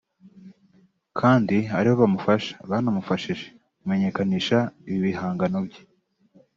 kandi aribo bamufasha (banamufashije) kumenyekanisha ibihangano bye